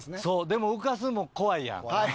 でも浮かすのも怖いやん。